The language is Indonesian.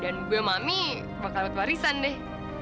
dan gue sama mami bakal dapet warisan deh